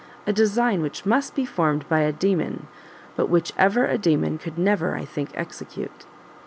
a design which must be formed by a Daemon, but which even a Daemon could never, I think, execute!"